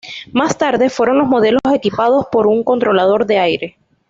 Más tarde fueron los modelos equipados con un controlador de aire.